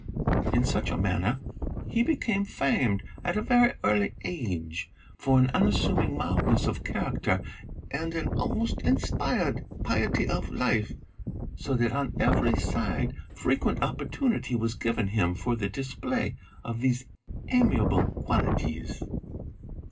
In such a manner he became famed at a very early age for an unassuming mildness of character and an almost inspired piety of life, so that on every side frequent opportunity was given him for the display of these amiable qualities.